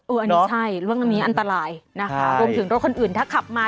เนอะอะไรตรงนี้อันตรายนะคะรวมถึงรถคนอื่นถ้าขับมา